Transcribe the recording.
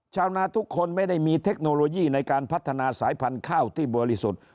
ชาวนาทุกคนไม่ได้มีเทคโนโลยีในการพัฒนาสายพันธุ์ข้าวที่บริสุทธิ์